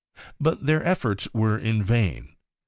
But their efforts were in vain.